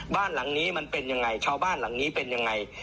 บ้านหลังนี้มันเป็นยังไงชาวบ้านหลังนี้เป็นยังไง